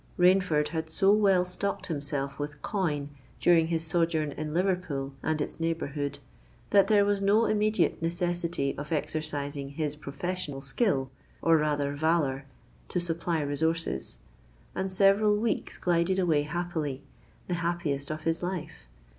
Rainford had so well stocked himself with coin during his sojourn in Liverpool and its neighbourhood, that there was no immediate necessity of exercising his professional skill, or rather valour, to supply resources; and several weeks glided away happily—the happiest of his life!